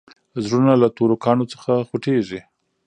زړونه له تورو کاڼو څخه خوټېږي.